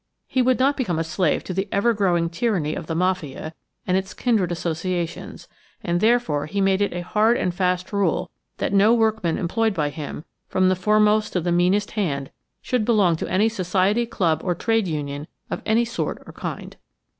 He would not become a slave to the ever growing tyranny of the Mafia and its kindred associations, and therefore he made it a hard and fast rule that no workman employed by him, from the foremost to the meanest hand, should belong to any society, club, or trade union of any sort or kind.